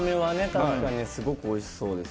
確かにすごくおいしそうです